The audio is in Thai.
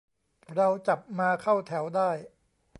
"เราจับมาเข้าแถวได้"